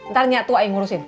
ntar nyatu aja ngurusin tuh